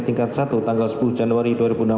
tingkat satu tanggal sepuluh januari dua ribu enam belas